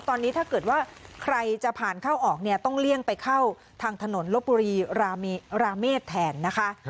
ตอนนี้ถ้าเกิดว่าใครจะผ่านเข้าออกเนี่ยต้องเลี่ยงไปเข้าทางถนนลบบุรีราเมษแทนนะคะ